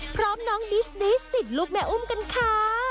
พร้อมน้องดิสดิสติดลูกแม่อุ้มกันค่ะ